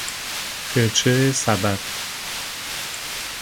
فرچه سبد